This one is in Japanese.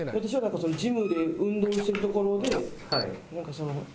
ジムで運動してるところでなんかその。